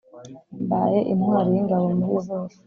Mbaye intwari y’ingabo muri zose